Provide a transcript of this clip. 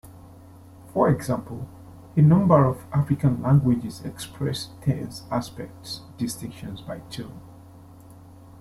For example, a number of African languages express tenseaspect distinctions by tone.